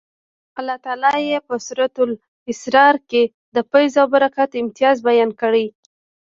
الله تعالی یې په سورة الاسرا کې د فیض او برکت امتیاز بیان کړی.